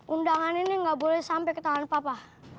undangan ini gak boleh sampai ke tangan papa